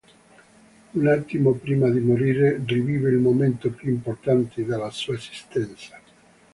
Un attimo prima di morire rivive il momento più importante della sua esistenza.